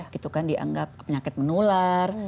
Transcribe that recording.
gitu kan dianggap penyakit menular